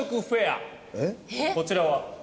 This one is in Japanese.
こちらは？